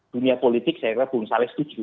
dunia politik saya kira belum salah setuju